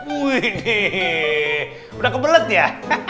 wih nih udah kebelet ya